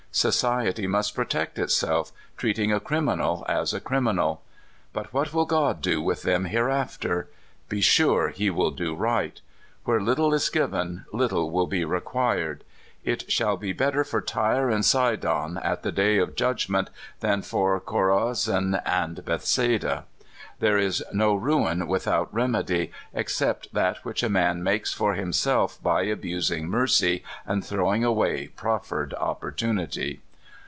Society must protect itself, treating a criminal as a crimi nal. But what will God do with them hereafter? Be sure he will do right. Where httle is given, little will be required. It shall be better for Tyre and Sidon at the day of judgment than for Chora zin and Bethsaida. ''There is no ruin without rem edy, except that which a man makes for himself by abusing mercy and throwing away proffered opportunity.